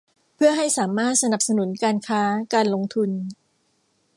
เพื่อให้สามารถสนับสนุนการค้า การลงทุน